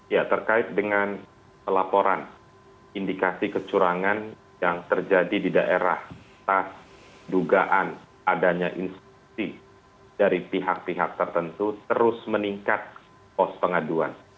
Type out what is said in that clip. ya terkait dengan laporan indikasi kecurangan yang terjadi di daerah atas dugaan adanya instruksi dari pihak pihak tertentu terus meningkat pos pengaduan